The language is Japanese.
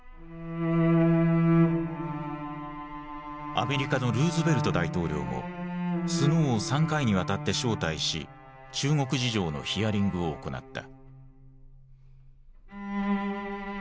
アメリカのルーズベルト大統領もスノーを３回にわたって招待し中国事情のヒアリングを行った。